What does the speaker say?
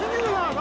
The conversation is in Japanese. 何？